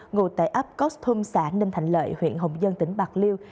ngụ tại ấp costum xã ninh thành lợi huyện hồng dân tỉnh bạc liêu